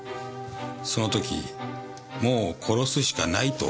その時もう殺すしかないと思ったんです。